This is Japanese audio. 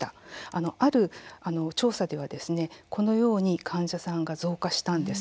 ある調査では、このように患者さんが増加したんです。